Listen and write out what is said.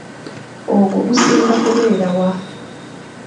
Ogwo gusinga kubeera wa?